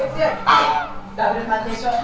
はいダブル鑑定書！